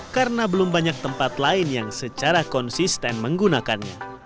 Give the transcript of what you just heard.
karena belum banyak tempat lain yang secara konsisten menggunakannya